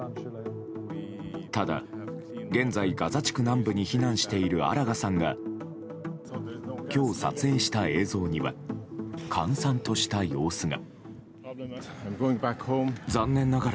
ただ、現在ガザ地区南部に避難しているアラガさんが今日、撮影した映像には閑散とした様子が。